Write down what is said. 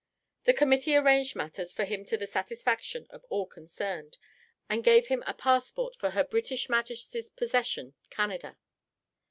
The Committee arranged matters for him to the satisfaction of all concerned, and gave him a passport for her British majesty's possession, Canada.